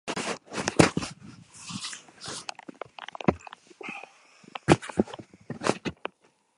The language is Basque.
Amak lesioak zituen gorputzean.